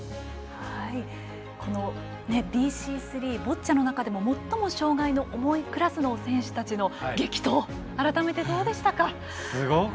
ＢＣ３、ボッチャの中でも最も障がいの重いクラスの選手たちの激闘、改めてどうでしたか。